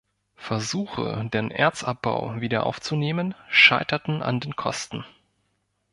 Versuche, den Erzabbau wieder aufzunehmen, scheiterten an den Kosten.